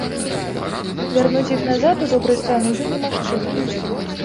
Вярнуць іх назад у добры стан ужо немагчыма.